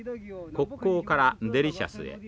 国光からデリシャスへ。